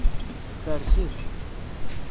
Farset.